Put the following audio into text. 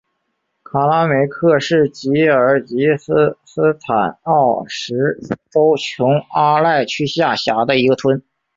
卡拉梅克是吉尔吉斯斯坦奥什州琼阿赖区下辖的一个村。